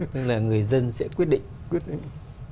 tức là người dân sẽ quyết định